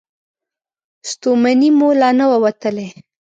ستومني مو لا نه وه وتلې.